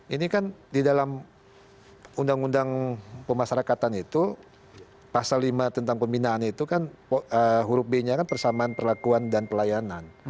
ini kan di dalam undang undang pemasarakatan itu pasal lima tentang pembinaan itu kan huruf b nya kan persamaan perlakuan dan pelayanan